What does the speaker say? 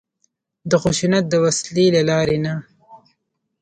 د خشونت د وسلې له لارې نه.